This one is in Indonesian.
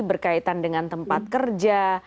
berkaitan dengan tempat kerja